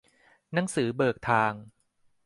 หนังสือเบิกทาง